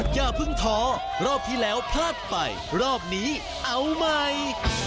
อย่าเพิ่งท้อรอบที่แล้วพลาดไปรอบนี้เอาใหม่